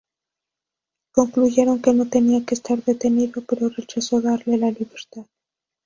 Concluyeron que no tenía que estar detenido pero rechazó darle la libertad.